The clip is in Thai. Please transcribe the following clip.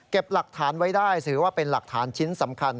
หลักฐานไว้ได้ถือว่าเป็นหลักฐานชิ้นสำคัญ